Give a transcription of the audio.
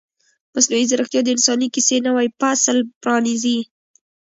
مصنوعي ځیرکتیا د انساني کیسې نوی فصل پرانیزي.